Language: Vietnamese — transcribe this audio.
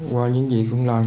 qua những việc cũng là